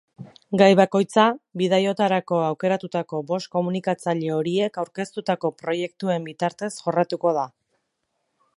Gai bakoitza bidaiotarako aukeratutako bost komunikatzaile horiek aurkeztutako proiektuen bitartez jorratuko da.